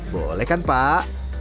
boleh kan pak